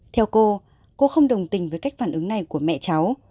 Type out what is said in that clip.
theo cô cô không đồng tình với cách phản ứng này của mẹ cháu